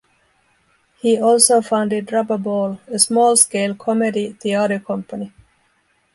He also founded Rubbaball, a small scale comedy theatre company.